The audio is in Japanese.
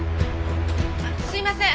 あっすいません。